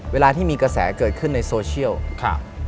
เวลาที่มีกระแสเกิดขึ้นในโซเชียล